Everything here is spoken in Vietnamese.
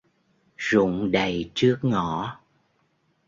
Rụng đầy trước ngõ